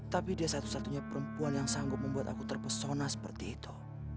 tapi dia satu satunya perempuan yang sanggup membuat aku terpesona seperti itu